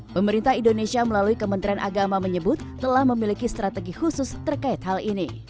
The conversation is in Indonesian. pemerintah indonesia melalui kementerian agama menyebut telah memiliki strategi khusus terkait hal ini